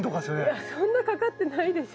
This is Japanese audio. いやそんなかかってないでしょ。